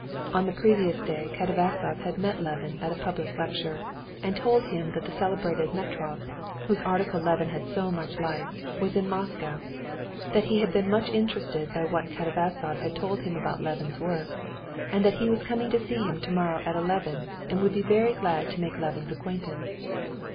On the previous day Katavasov had met Levin at a public lecture and told him that the celebrated Metrov, whose article Levin had so much liked, was in Moscow, that he had been much interested by what Katavasov had told him about Levin's work, and that he was coming to see him tomorrow at eleven, and would be very glad to make Levin's acquaintance.